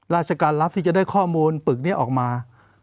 ราชการรับที่จะได้ข้อมูลปึกนี้ออกมา